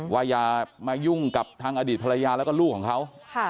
อย่ามายุ่งกับทางอดีตภรรยาแล้วก็ลูกของเขา